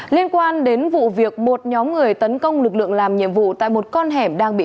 liên quan đến vụ việc một nhóm người tấn công lực lượng làm nhiệm vụ tại một con hẻm đang bị